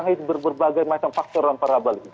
itu berbagai macam faktor yang pernah berlaku